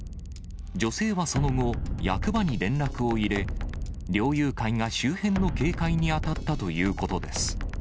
女性はその後、役場に連絡を入れ、猟友会が周辺の警戒に当たったということです。